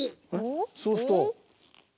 そうすると。